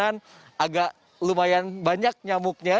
agak lumayan banyak nyamuknya